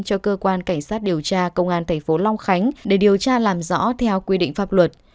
cho cơ quan cảnh sát điều tra công an thành phố long khánh để điều tra làm rõ theo quy định pháp luật